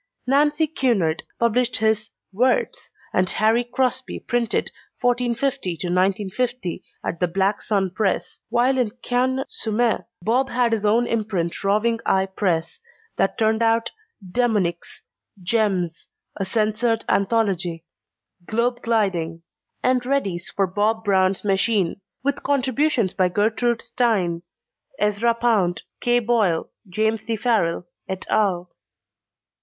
Nancy Cunard published his Words and Harry Crosby printed 1450 1950 at the Black Sun Press, while in Cagnes sur Mer Bob had his own imprint Roving Eye Press, that turned out Demonics; Gems, a Censored Anthology; Globe gliding and Readies for Bob Brown's Machine with contributions by Gertrude Stein, Ezra Pound, Kay Boyle, James T. Farrell _et al.